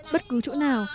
bất cứ chỗ nào